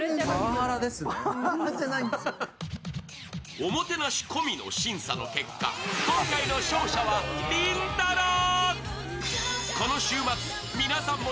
おもてなし込みの審査の結果は今回の勝者はりんたろー。